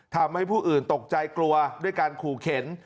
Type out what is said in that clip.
ทำให้ผู้อื่นตกใจกลัวด้วยการขู่เข็น